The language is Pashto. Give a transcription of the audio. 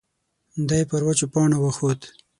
دی پر وچو پاڼو وخوت.